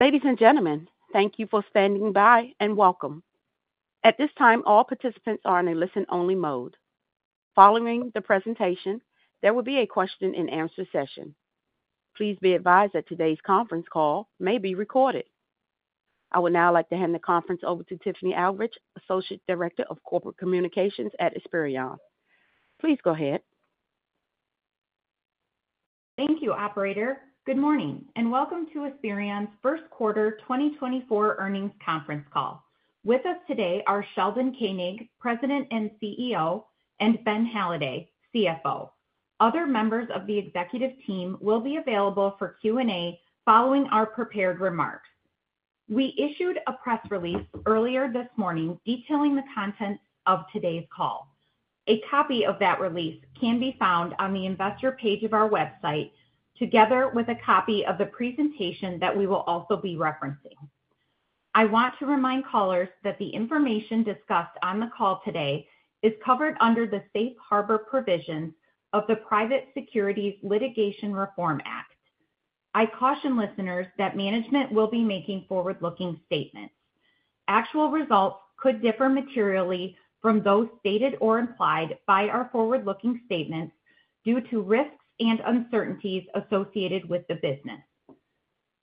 Ladies and gentlemen, thank you for standing by and welcome. At this time, all participants are in a listen-only mode. Following the presentation, there will be a question-and-answer session. Please be advised that today's conference call may be recorded. I would now like to hand the conference over to Tiffany Eldridge, Associate Director of Corporate Communications at Esperion. Please go ahead. Thank you, operator. Good morning, and welcome to Esperion's first quarter 2024 earnings conference call. With us today are Sheldon Koenig, President and CEO, and Ben Halladay, CFO. Other members of the executive team will be available for Q&A following our prepared remarks. We issued a press release earlier this morning detailing the contents of today's call. A copy of that release can be found on the investor page of our website, together with a copy of the presentation that we will also be referencing. I want to remind callers that the information discussed on the call today is covered under the safe harbor provisions of the Private Securities Litigation Reform Act. I caution listeners that management will be making forward-looking statements. Actual results could differ materially from those stated or implied by our forward-looking statements due to risks and uncertainties associated with the business.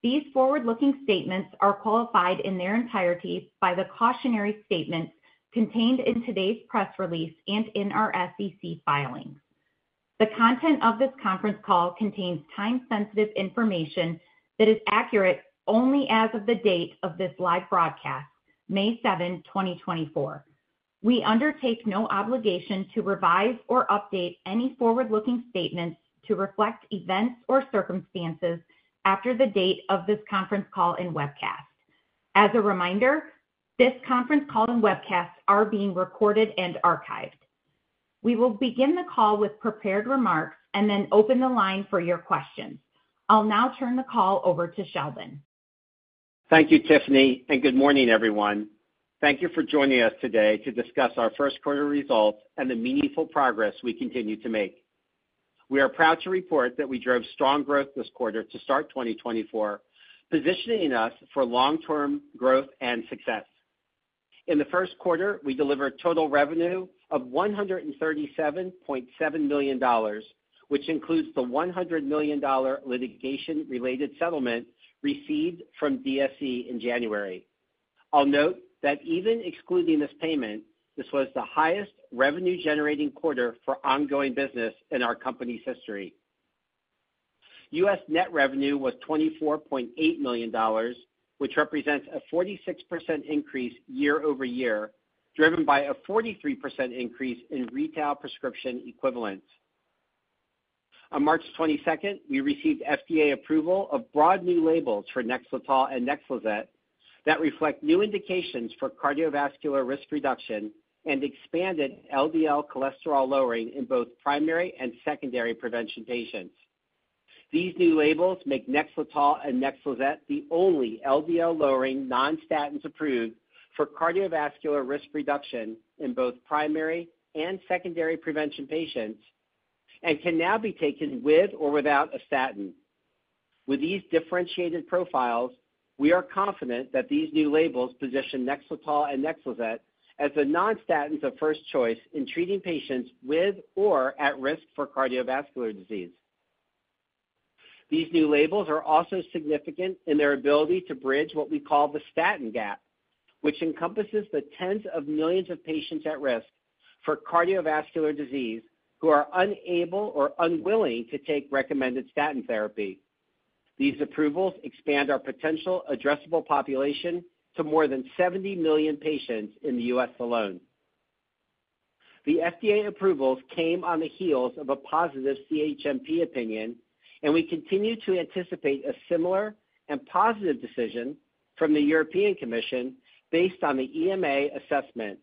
These forward-looking statements are qualified in their entirety by the cautionary statements contained in today's press release and in our SEC filings. The content of this conference call contains time-sensitive information that is accurate only as of the date of this live broadcast, May 7, 2024. We undertake no obligation to revise or update any forward-looking statements to reflect events or circumstances after the date of this conference call and webcast. As a reminder, this conference call and webcast are being recorded and archived. We will begin the call with prepared remarks and then open the line for your questions. I'll now turn the call over to Sheldon. Thank you, Tiffany, and good morning, everyone. Thank you for joining us today to discuss our first quarter results and the meaningful progress we continue to make. We are proud to report that we drove strong growth this quarter to start 2024, positioning us for long-term growth and success. In the first quarter, we delivered total revenue of $137.7 million, which includes the $100 million litigation-related settlement received from DSE in January. I'll note that even excluding this payment, this was the highest revenue-generating quarter for ongoing business in our company's history. US net revenue was $24.8 million, which represents a 46% increase year-over-year, driven by a 43% increase in retail prescription equivalents. On March 22, we received FDA approval of broad new labels for Nexletol and Nexlizet that reflect new indications for cardiovascular risk reduction and expanded LDL cholesterol lowering in both primary and secondary prevention patients. These new labels make Nexletol and Nexlizet the only LDL-lowering non-statins approved for cardiovascular risk reduction in both primary and secondary prevention patients and can now be taken with or without a statin. With these differentiated profiles, we are confident that these new labels position Nexletol and Nexlizet as the non-statins of first choice in treating patients with or at risk for cardiovascular disease. These new labels are also significant in their ability to bridge what we call the statin gap, which encompasses the tens of millions of patients at risk for cardiovascular disease who are unable or unwilling to take recommended statin therapy. These approvals expand our potential addressable population to more than 70 million patients in the U.S. alone. The FDA approvals came on the heels of a positive CHMP opinion, and we continue to anticipate a similar and positive decision from the European Commission based on the EMA assessment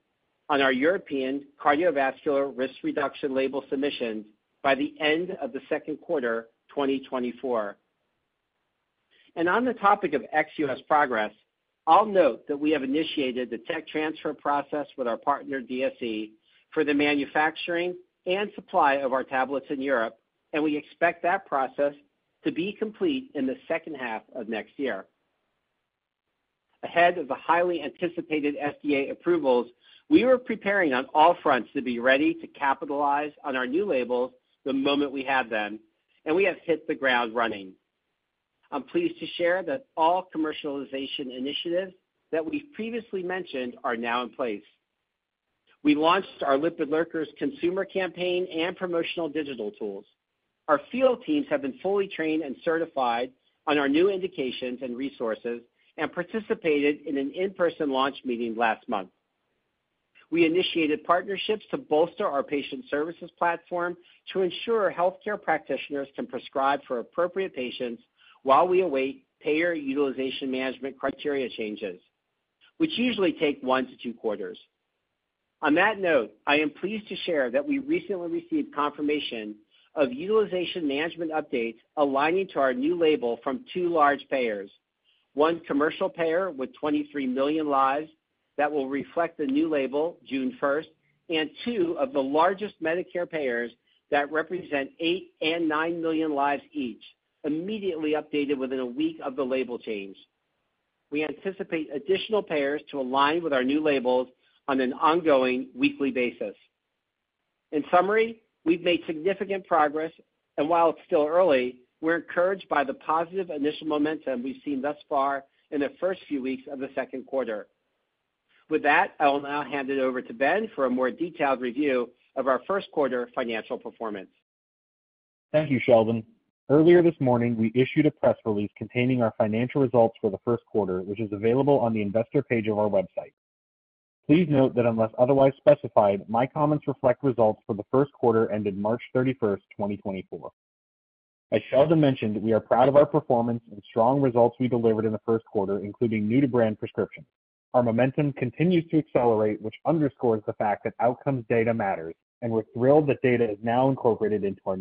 on our European cardiovascular risk reduction label submission by the end of the second quarter, 2024. On the topic of ex-US progress, I'll note that we have initiated the tech transfer process with our partner, DSE, for the manufacturing and supply of our tablets in Europe, and we expect that process to be complete in the second half of next year. Ahead of the highly anticipated FDA approvals, we were preparing on all fronts to be ready to capitalize on our new labels the moment we have them, and we have hit the ground running. I'm pleased to share that all commercialization initiatives that we've previously mentioned are now in place. We launched our Lipid Lurkers consumer campaign and promotional digital tools. Our field teams have been fully trained and certified on our new indications and resources and participated in an in-person launch meeting last month. We initiated partnerships to bolster our patient services platform to ensure healthcare practitioners can prescribe for appropriate patients while we await payer utilization management criteria changes, which usually take 1-2 quarters. On that note, I am pleased to share that we recently received confirmation of utilization management updates aligning to our new label from two large payers, one commercial payer with 23 million lives that will reflect the new label June 1, and two of the largest Medicare payers that represent 8 and 9 million lives each, immediately updated within a week of the label change. We anticipate additional payers to align with our new labels on an ongoing weekly basis. In summary, we've made significant progress, and while it's still early, we're encouraged by the positive initial momentum we've seen thus far in the first few weeks of the second quarter. With that, I will now hand it over to Ben for a more detailed review of our first quarter financial performance. Thank you, Sheldon. Earlier this morning, we issued a press release containing our financial results for the first quarter, which is available on the investor page of our website. Please note that unless otherwise specified, my comments reflect results for the first quarter ended March 31, 2024. As Sheldon mentioned, we are proud of our performance and strong results we delivered in the first quarter, including new to brand prescriptions. Our momentum continues to accelerate, which underscores the fact that outcomes data matters, and we're thrilled that data is now incorporated into our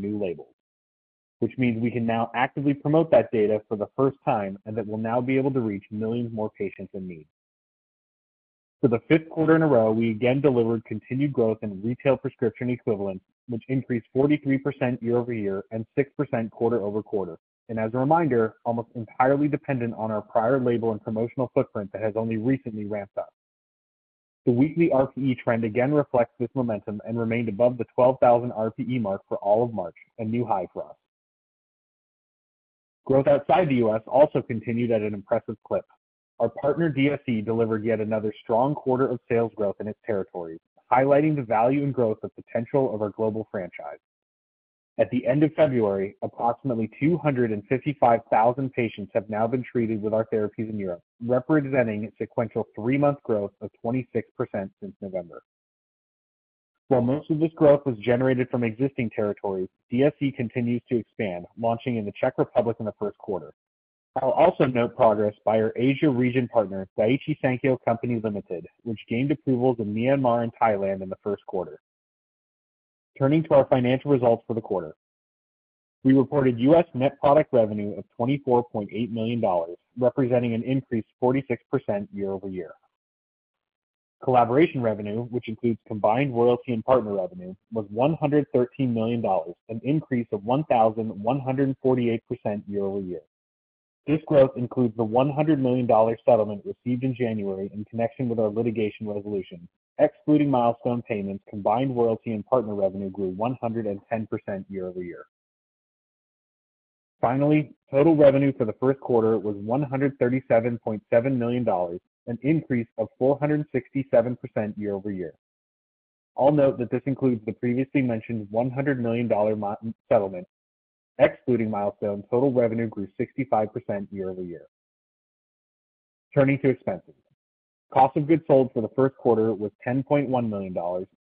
new label, which means we can now actively promote that data for the first time and that we'll now be able to reach millions more patients in need. For the fifth quarter in a row, we again delivered continued growth in retail prescription equivalents, which increased 43% year-over-year and 6% quarter-over-quarter, and as a reminder, almost entirely dependent on our prior label and promotional footprint that has only recently ramped up. The weekly RPE trend again reflects this momentum and remained above the 12,000 RPE mark for all of March, a new high for us. Growth outside the U.S. also continued at an impressive clip. Our partner, DSE, delivered yet another strong quarter of sales growth in its territories, highlighting the value and growth of potential of our global franchise. At the end of February, approximately 255,000 patients have now been treated with our therapies in Europe, representing sequential three-month growth of 26% since November. While most of this growth was generated from existing territories, DSE continues to expand, launching in the Czech Republic in the first quarter. I'll also note progress by our Asia region partner, Daiichi Sankyo Company, Limited, which gained approvals in Myanmar and Thailand in the first quarter. Turning to our financial results for the quarter. We reported U.S. net product revenue of $24.8 million, representing an increase of 46% year-over-year. Collaboration revenue, which includes combined royalty and partner revenue, was $113 million, an increase of 1,148% year-over-year. This growth includes the $100 million settlement received in January in connection with our litigation resolution. Excluding milestone payments, combined royalty and partner revenue grew 110% year-over-year. Finally, total revenue for the first quarter was $137.7 million, an increase of 467% year-over-year. I'll note that this includes the previously mentioned $100 million milestone settlement. Excluding milestones, total revenue grew 65% year-over-year. Turning to expenses. Cost of goods sold for the first quarter was $10.1 million,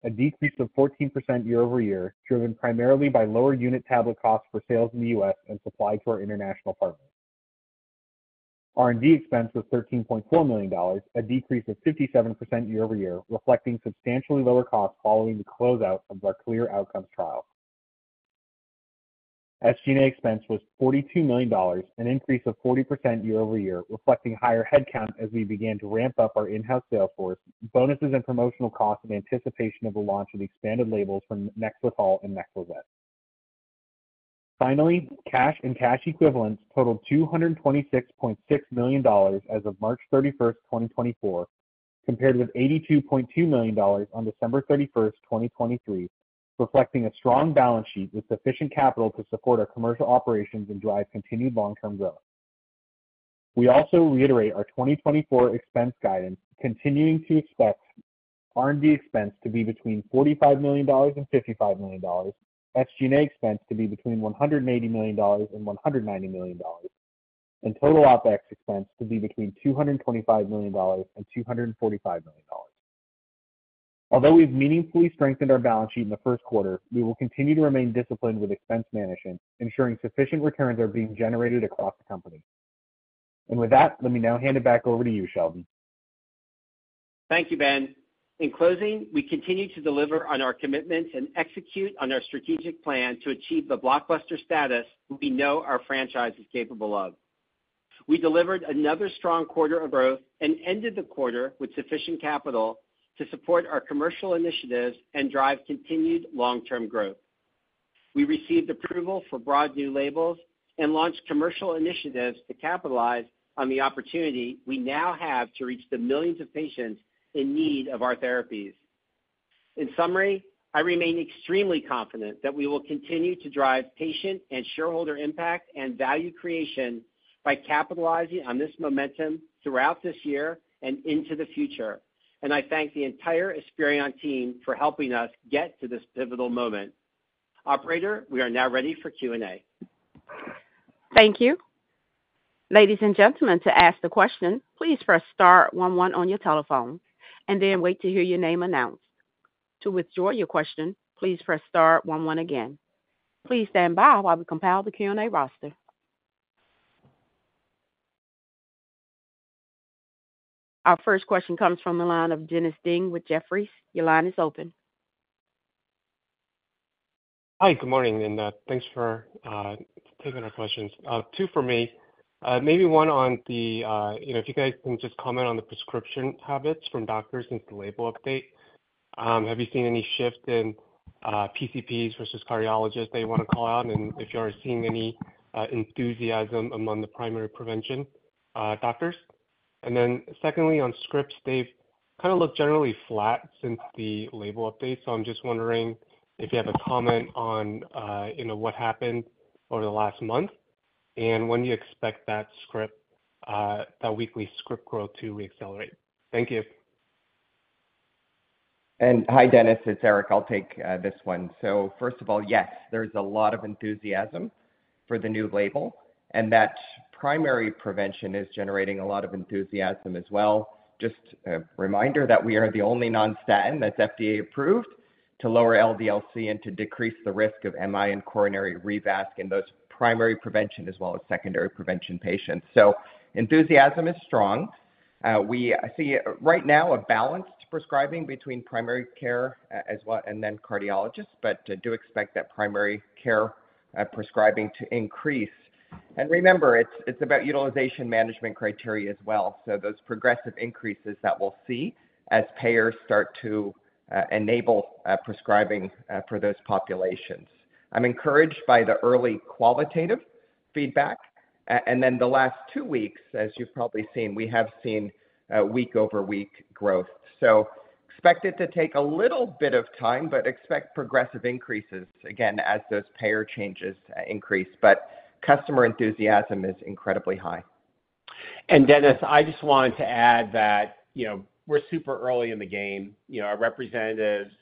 a decrease of 14% year-over-year, driven primarily by lower unit tablet costs for sales in the U.S. and supplied to our international partners. R&D expense was $13.4 million, a decrease of 57% year-over-year, reflecting substantially lower costs following the closeout of our CLEAR Outcomes trial. SG&A expense was $42 million, an increase of 40% year-over-year, reflecting higher headcount as we began to ramp up our in-house sales force, bonuses and promotional costs in anticipation of the launch of expanded labels from Nexletol and Nexlizet. Finally, cash and cash equivalents totaled $226.6 million as of March 31st, 2024, compared with $82.2 million on 31st December, 2023, reflecting a strong balance sheet with sufficient capital to support our commercial operations and drive continued long-term growth. We also reiterate our 2024 expense guidance, continuing to expect R&D expense to be between $45 million and $55 million, SG&A expense to be between $180 million and $190 million, and total OpEx expense to be between $225 million and $245 million. Although we've meaningfully strengthened our balance sheet in the first quarter, we will continue to remain disciplined with expense management, ensuring sufficient returns are being generated across the company. And with that, let me now hand it back over to you, Sheldon. Thank you, Ben. In closing, we continue to deliver on our commitments and execute on our strategic plan to achieve the blockbuster status we know our franchise is capable of. We delivered another strong quarter of growth and ended the quarter with sufficient capital to support our commercial initiatives and drive continued long-term growth. We received approval for broad new labels and launched commercial initiatives to capitalize on the opportunity we now have to reach the millions of patients in need of our therapies. In summary, I remain extremely confident that we will continue to drive patient and shareholder impact and value creation by capitalizing on this momentum throughout this year and into the future, and I thank the entire Esperion team for helping us get to this pivotal moment. Operator, we are now ready for Q&A. Thank you. Ladies and gentlemen, to ask the question, please press star one one on your telephone and then wait to hear your name announced. To withdraw your question, please press star one one again. Please stand by while we compile the Q&A roster. Our first question comes from the line of Dennis Ding with Jefferies. Your line is open. Hi, good morning, and thanks for taking our questions. Two for me. Maybe one on the, you know, if you guys can just comment on the prescription habits from doctors since the label update. Have you seen any shift in PCPs versus cardiologists that you want to call out? And if you are seeing any enthusiasm among the primary prevention doctors? And then secondly, on scripts, they've kind of looked generally flat since the label update. So I'm just wondering if you have a comment on, you know, what happened over the last month, and when do you expect that script, that weekly script growth to reaccelerate? Thank you. Hi, Dennis, it's Eric. I'll take this one. So first of all, yes, there's a lot of enthusiasm for the new label, and that primary prevention is generating a lot of enthusiasm as well. Just a reminder that we are the only non-statin that's FDA approved to lower LDL-C and to decrease the risk of MI and coronary revasc in those primary prevention, as well as secondary prevention patients. So enthusiasm is strong. We see right now a balanced prescribing between primary care as well, and then cardiologists, but I do expect that primary care prescribing to increase. And remember, it's about utilization management criteria as well. So those progressive increases that we'll see as payers start to enable prescribing for those populations. I'm encouraged by the early qualitative feedback. And then the last two weeks, as you've probably seen, we have seen week-over-week growth. So expect it to take a little bit of time, but expect progressive increases again, as those payer changes increase. But customer enthusiasm is incredibly high. Dennis, I just wanted to add that, you know, we're super early in the game. You know, our representatives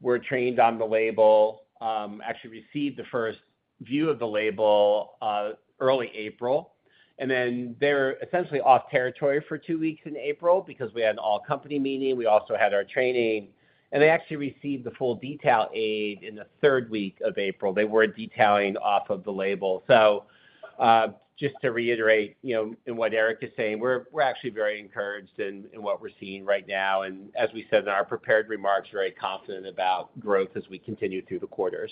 were trained on the label, actually received the first view of the label, early April, and then they're essentially off territory for two weeks in April because we had an all-company meeting. We also had our training, and they actually received the full detail aid in the third week of April. They were detailing off of the label. So, just to reiterate, you know, in what Eric is saying, we're actually very encouraged in what we're seeing right now, and as we said in our prepared remarks, very confident about growth as we continue through the quarters.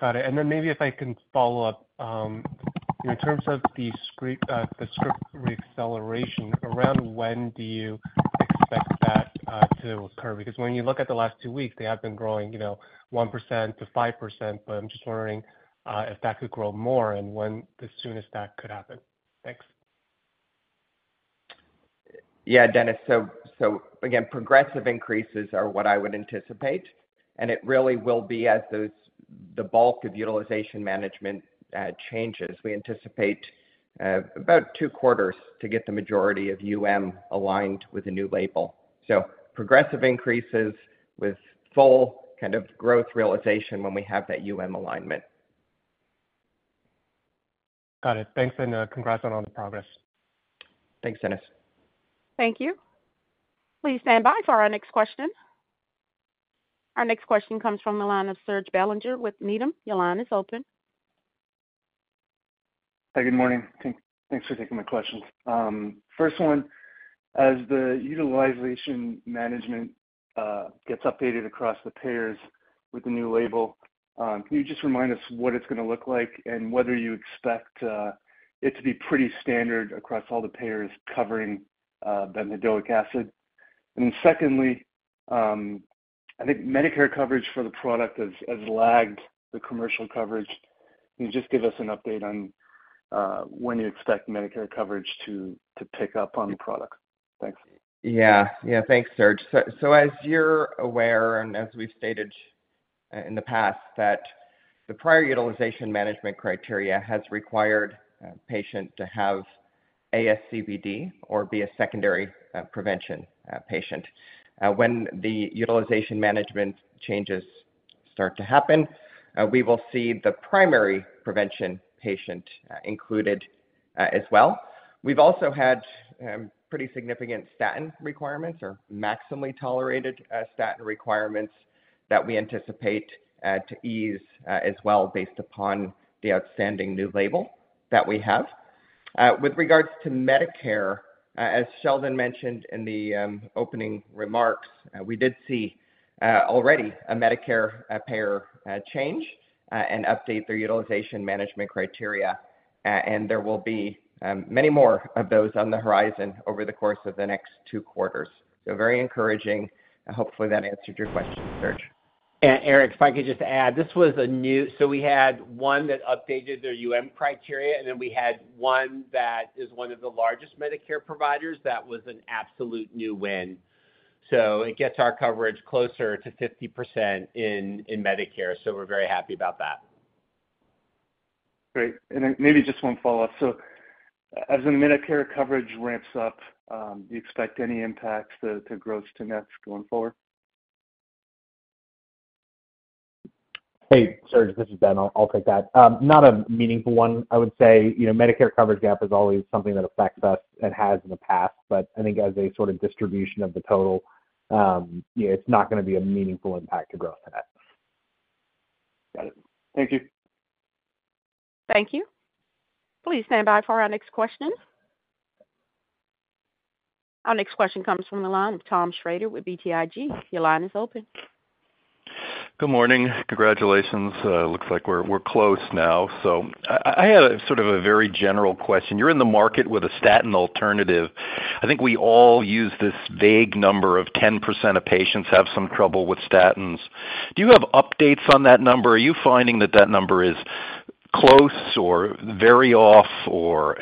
Got it. Then maybe if I can follow up. In terms of the script, the script reacceleration, around when do you expect that to occur? Because when you look at the last 2 weeks, they have been growing, you know, 1%-5%, but I'm just wondering if that could grow more and when the soonest that could happen. Thanks. Yeah, Dennis. So, so again, progressive increases are what I would anticipate, and it really will be as those, the bulk of utilization management changes. We anticipate about two quarters to get the majority of UM aligned with the new label. So progressive increases with full kind of growth realization when we have that UM alignment. Got it. Thanks, and, congrats on all the progress. Thanks, Dennis. Thank you. Please stand by for our next question. Our next question comes from the line of Serge Belanger with Needham. Your line is open. Hi, good morning. Thanks for taking my questions. First one, as the utilization management gets updated across the payers with the new label, can you just remind us what it's gonna look like and whether you expect it to be pretty standard across all the payers covering bempedoic acid? And secondly, I think Medicare coverage for the product has lagged the commercial coverage. Can you just give us an update on when you expect Medicare coverage to pick up on the product? Thanks. Yeah. Yeah, thanks, Serge. So as you're aware, and as we've stated in the past, that the prior utilization management criteria has required a patient to have ASCVD or be a secondary prevention patient. When the utilization management changes start to happen, we will see the primary prevention patient included as well. We've also had pretty significant statin requirements or maximally tolerated statin requirements that we anticipate to ease as well, based upon the outstanding new label that we have. With regards to Medicare, as Sheldon mentioned in the opening remarks, we did see already a Medicare payer change and update their utilization management criteria, and there will be many more of those on the horizon over the course of the next two quarters. So very encouraging, and hopefully that answered your question, Serge. And Eric, if I could just add, this was a new... So we had one that updated their UM criteria, and then we had one that is one of the largest Medicare providers. That was an absolute new win, so it gets our coverage closer to 50% in Medicare, so we're very happy about that. Great. And then maybe just one follow-up. So as the Medicare coverage ramps up, do you expect any impacts to gross to net going forward? Hey, Serge, this is Ben. I'll, I'll take that. Not a meaningful one. I would say, you know, Medicare coverage gap is always something that affects us and has in the past, but I think as a sort of distribution of the total, yeah, it's not gonna be a meaningful impact to gross net. Got it. Thank you. Thank you. Please stand by for our next question. Our next question comes from the line of Tom Schrader with BTIG. Your line is open. Good morning. Congratulations. Looks like we're close now. So I had a sort of a very general question. You're in the market with a statin alternative. I think we all use this vague number of 10% of patients have some trouble with statins. Do you have updates on that number? Are you finding that that number is close or very off?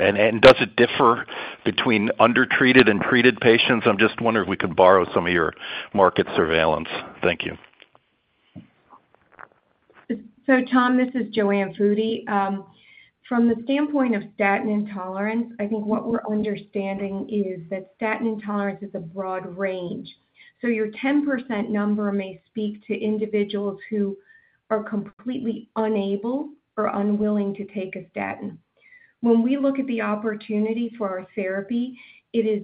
And does it differ between undertreated and treated patients? I'm just wondering if we could borrow some of your market surveillance. Thank you. So, Tom, this is JoAnne Foody. From the standpoint of statin intolerance, I think what we're understanding is that statin intolerance is a broad range. So your 10% number may speak to individuals who are completely unable or unwilling to take a statin. When we look at the opportunity for our therapy, it is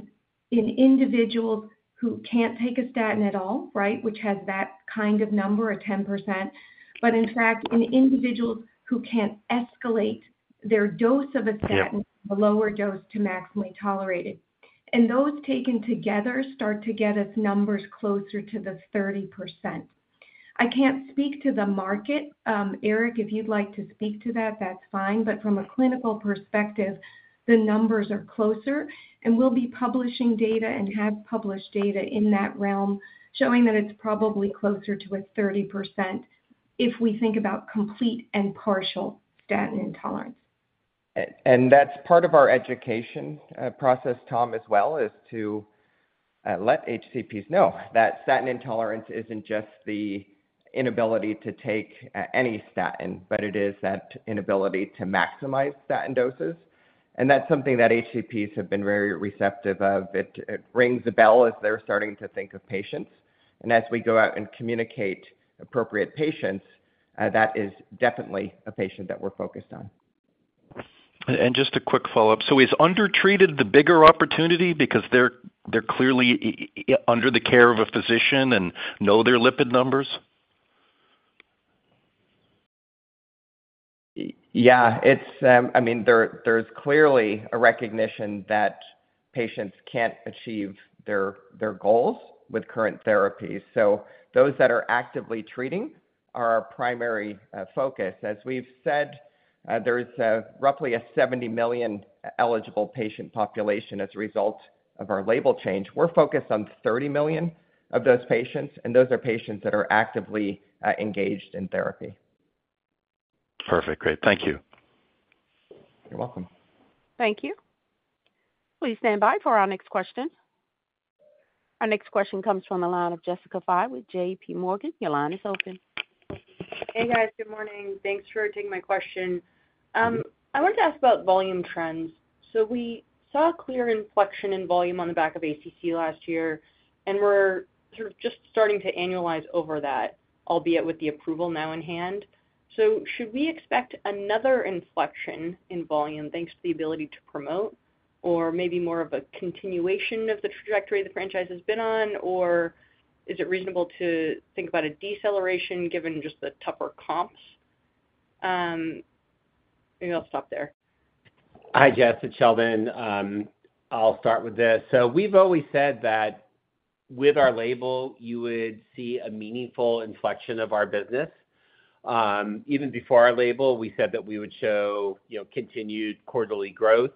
in individuals who can't take a statin at all, right? Which has that kind of number, a 10%, but in fact, in individuals who can't escalate their dose of a statin-a lower dose to maximally tolerated. And those taken together start to get us numbers closer to the 30%. I can't speak to the market. Eric, if you'd like to speak to that, that's fine. But from a clinical perspective, the numbers are closer, and we'll be publishing data and have published data in that realm, showing that it's probably closer to a 30% if we think about complete and partial statin intolerance. That's part of our education process, Tom, as well, is to let HCPs know that statin intolerance isn't just the inability to take any statin, but it is that inability to maximize statin doses. That's something that HCPs have been very receptive of. It rings a bell as they're starting to think of patients. As we go out and communicate appropriate patients, that is definitely a patient that we're focused on. Just a quick follow-up. Is undertreated the bigger opportunity because they're clearly under the care of a physician and know their lipid numbers? Yeah, it's, I mean, there's clearly a recognition that patients can't achieve their, their goals with current therapies. So those that are actively treating are our primary focus. As we've said, there is a roughly a 70 million eligible patient population as a result of our label change. We're focused on 30 million of those patients, and those are patients that are actively engaged in therapy. Perfect. Great. Thank you. You're welcome. Thank you. Please stand by for our next question. Our next question comes from the line of Jessica Fye with JPMorgan. Your line is open. Hey, guys. Good morning. Thanks for taking my question. I wanted to ask about volume trends. So we saw a clear inflection in volume on the back of ACC last year, and we're sort of just starting to annualize over that, albeit with the approval now in hand. So should we expect another inflection in volume, thanks to the ability to promote, or maybe more of a continuation of the trajectory the franchise has been on? Or is it reasonable to think about a deceleration given just the tougher comps? Maybe I'll stop there. Hi, Jess, it's Sheldon. I'll start with this. So we've always said that with our label, you would see a meaningful inflection of our business. Even before our label, we said that we would show, you know, continued quarterly growth.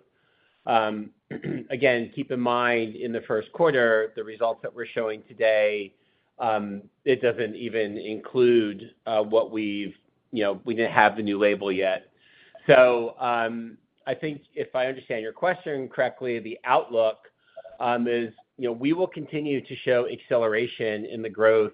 Again, keep in mind, in the first quarter, the results that we're showing today, it doesn't even include what we've, you know, we didn't have the new label yet. So, I think if I understand your question correctly, the outlook is, you know, we will continue to show acceleration in the growth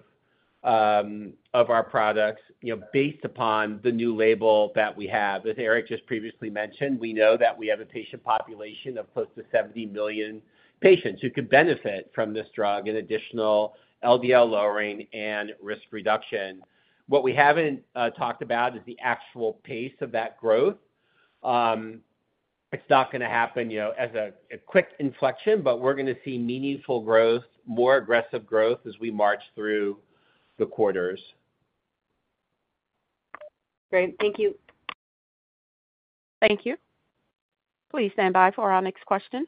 of our products, you know, based upon the new label that we have. As Eric just previously mentioned, we know that we have a patient population of close to 70 million patients who could benefit from this drug, an additional LDL lowering and risk reduction. What we haven't talked about is the actual pace of that growth. It's not gonna happen, you know, as a quick inflection, but we're gonna see meaningful growth, more aggressive growth as we march through the quarters. Great. Thank you. Thank you. Please stand by for our next question.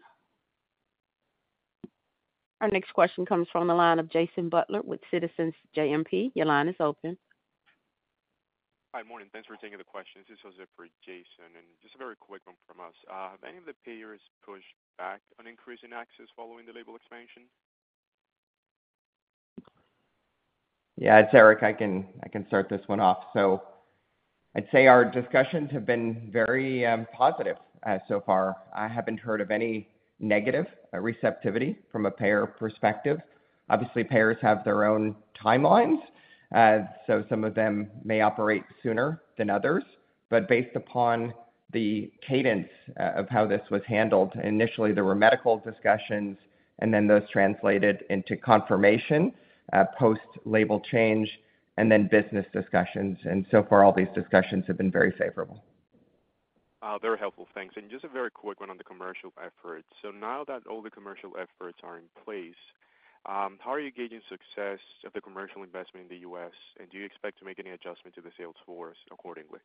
Our next question comes from the line of Jason Butler with Citizens JMP. Your line is open. Hi, morning. Thanks for taking the questions. This is for Jason, and just a very quick one from us. Have any of the payers pushed back on increasing access following the label expansion? Yeah, it's Eric. I can start this one off. So I'd say our discussions have been very positive so far. I haven't heard of any negative receptivity from a payer perspective. Obviously, payers have their own timelines, so some of them may operate sooner than others. But based upon the cadence of how this was handled, initially, there were medical discussions, and then those translated into confirmation post-label change, and then business discussions. And so far, all these discussions have been very favorable. Very helpful. Thanks. And just a very quick one on the commercial efforts. So now that all the commercial efforts are in place, how are you gauging success of the commercial investment in the U.S., and do you expect to make any adjustment to the sales force accordingly?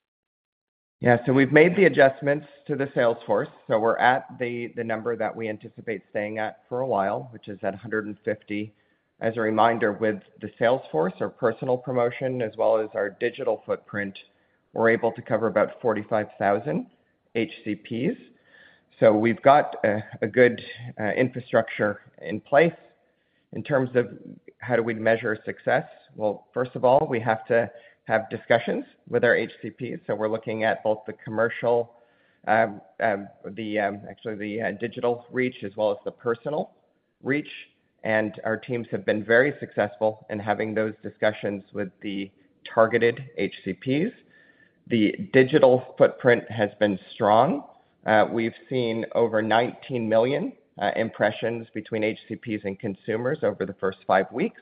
Yeah, so we've made the adjustments to the sales force, so we're at the number that we anticipate staying at for a while, which is at 150. As a reminder, with the sales force, our personal promotion, as well as our digital footprint, we're able to cover about 45,000 HCPs. So we've got a good infrastructure in place. In terms of how do we measure success? Well, first of all, we have to have discussions with our HCPs. So we're looking at both the commercial actually the digital reach as well as the personal reach. And our teams have been very successful in having those discussions with the targeted HCPs. The digital footprint has been strong. We've seen over 19 million impressions between HCPs and consumers over the first five weeks.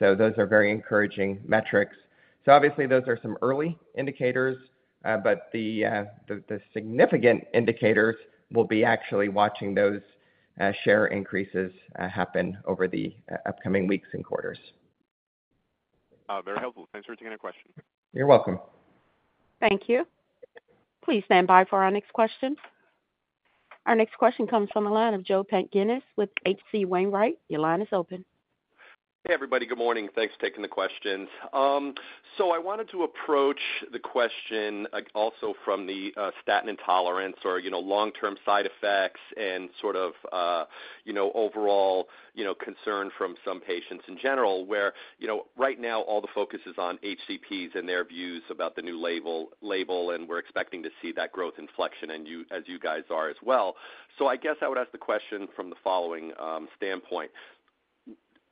So those are very encouraging metrics. So obviously, those are some early indicators, but the significant indicators will be actually watching those share increases happen over the upcoming weeks and quarters. Very helpful. Thanks for taking the question. You're welcome. Thank you. Please stand by for our next question. Our next question comes from the line of Joseph Pantginis with H.C. Wainwright. Your line is open. Hey, everybody. Good morning. Thanks for taking the questions. So I wanted to approach the question, like, also from the statin intolerance or, you know, long-term side effects and sort of you know, overall, you know, concern from some patients in general, where, you know, right now, all the focus is on HCPs and their views about the new label, label, and we're expecting to see that growth inflection, and you as you guys are as well. So I guess I would ask the question from the following standpoint.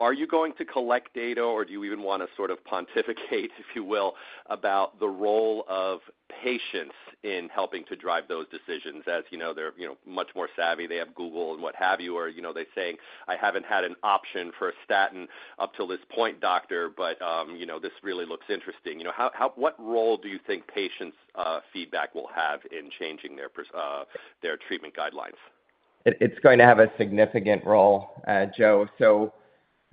Are you going to collect data, or do you even wanna sort of pontificate, if you will, about the role of patients in helping to drive those decisions? As you know, they're, you know, much more savvy, they have Google and what have you, or, you know, they're saying, "I haven't had an option for a statin up till this point, doctor, but, you know, this really looks interesting." You know, how, what role do you think patients' feedback will have in changing their treatment guidelines? It's going to have a significant role, Joe. So,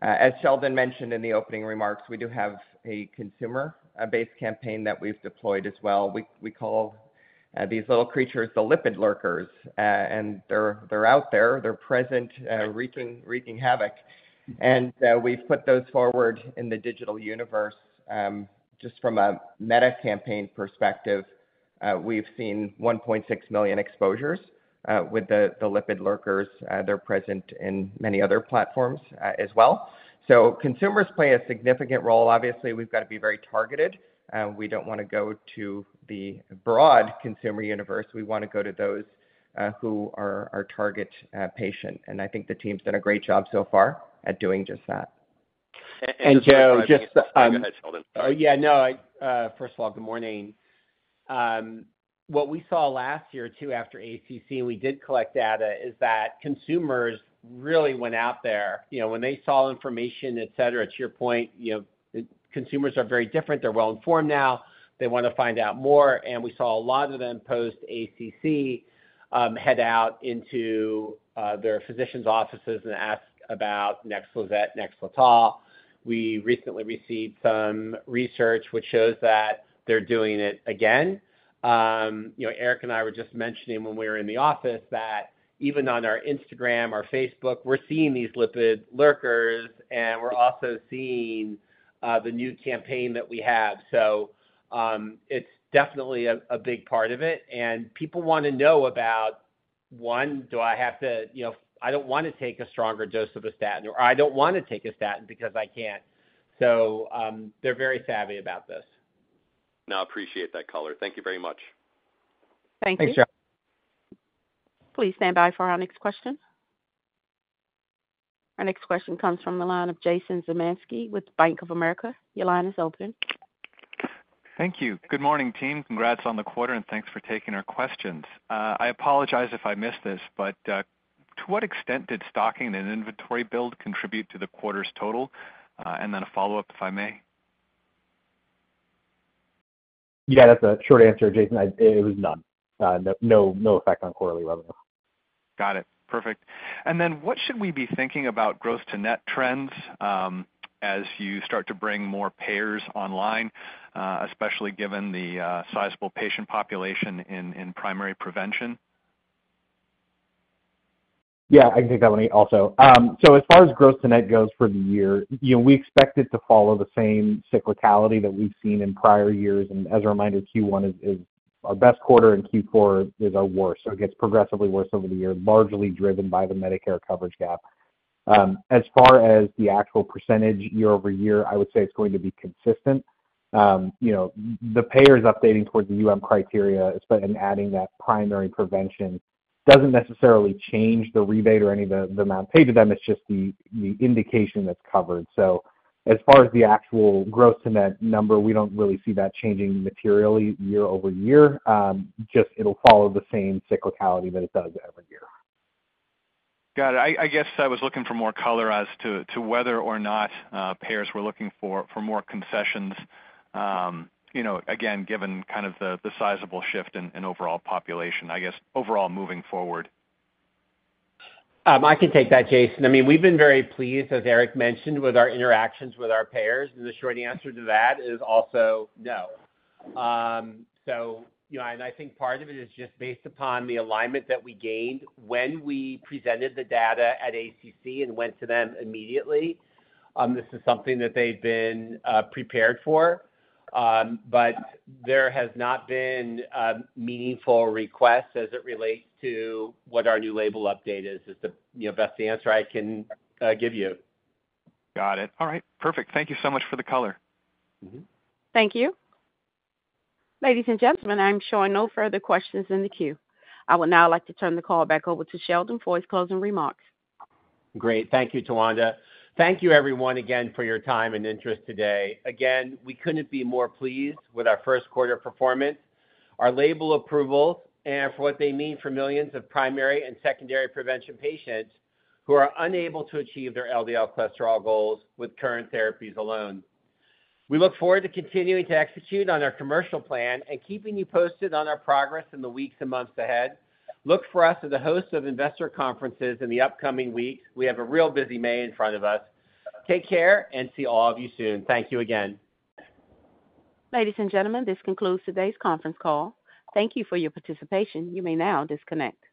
as Sheldon mentioned in the opening remarks, we do have a consumer base campaign that we've deployed as well. We call these little creatures the lipid lurkers, and they're out there, they're present, wreaking havoc. And, we've put those forward in the digital universe. Just from a meta-campaign perspective, we've seen 1.6 million exposures with the lipid lurkers. They're present in many other platforms, as well. So consumers play a significant role. Obviously, we've got to be very targeted. We don't wanna go to the broad consumer universe. We wanna go to those who are our target patient, and I think the team's done a great job so far at doing just that. Go ahead, Sheldon. Oh, yeah. No, I -- first of all, good morning. What we saw last year, too, after ACC, and we did collect data, is that consumers really went out there. You know, when they saw information, et cetera, to your point, you know, consumers are very different. They're well informed now. They want to find out more, and we saw a lot of them post-ACC, head out into, their physicians' offices and ask about Nexletol, Nexlizet. We recently received some research which shows that they're doing it again. You know, Eric and I were just mentioning when we were in the office that even on our Instagram or Facebook, we're seeing these Lipid Lurkers, and we're also seeing, the new campaign that we have. So, it's definitely a big part of it, and people want to know about, one, do I have to... You know, I don't want to take a stronger dose of a statin, or I don't want to take a statin because I can't. So, they're very savvy about this. No, I appreciate that color. Thank you very much. Thank you. Thanks, Joe. Please stand by for our next question. Our next question comes from the line of Jason Zemansky with Bank of America. Your line is open. Thank you. Good morning, team. Congrats on the quarter, and thanks for taking our questions. I apologize if I missed this, but, to what extent did stocking and inventory build contribute to the quarter's total? And then a follow-up, if I may. Yeah, that's a short answer, Jason. It was none. No, no, no effect on quarterly level. Got it. Perfect. And then what should we be thinking about gross to net trends, as you start to bring more payers online, especially given the sizable patient population in primary prevention? Yeah, I can take that one also. So as far as gross to net goes for the year, you know, we expect it to follow the same cyclicality that we've seen in prior years. And as a reminder, Q1 is our best quarter and Q4 is our worst. So it gets progressively worse over the year, largely driven by the Medicare coverage gap. As far as the actual percentage year-over-year, I would say it's going to be consistent. You know, the payers updating towards the UM criteria and adding that primary prevention doesn't necessarily change the rebate or any of the amount paid to them. It's just the indication that's covered. So as far as the actual gross to net number, we don't really see that changing materially year-over-year. Just, it'll follow the same cyclicality that it does every year. Got it. I guess I was looking for more color as to whether or not payers were looking for more concessions, you know, again, given kind of the sizable shift in overall population, I guess, overall moving forward. I can take that, Jason. I mean, we've been very pleased, as Eric mentioned, with our interactions with our payers. And the short answer to that is also no. So, you know, and I think part of it is just based upon the alignment that we gained when we presented the data at ACC and went to them immediately. This is something that they've been prepared for, but there has not been meaningful requests as it relates to what our new label update is. It's the, you know, best answer I can give you. Got it. All right. Perfect. Thank you so much for the color. Thank you. Ladies and gentlemen, I'm showing no further questions in the queue. I would now like to turn the call back over to Sheldon for his closing remarks. Great. Thank you, Tawanda. Thank you, everyone, again, for your time and interest today. Again, we couldn't be more pleased with our first quarter performance, our label approvals, and for what they mean for millions of primary and secondary prevention patients who are unable to achieve their LDL cholesterol goals with current therapies alone. We look forward to continuing to execute on our commercial plan and keeping you posted on our progress in the weeks and months ahead. Look for us as a host of investor conferences in the upcoming weeks. We have a real busy May in front of us. Take care, and see all of you soon. Thank you again. Ladies and gentlemen, this concludes today's conference call. Thank you for your participation. You may now disconnect.